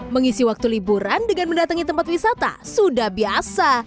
mengisi waktu liburan dengan mendatangi tempat wisata sudah biasa